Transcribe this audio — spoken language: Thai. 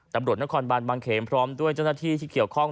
ตำรวจนครบานบางเขมพร้อมด้วยเจ้าหน้าที่ที่เกี่ยวข้อง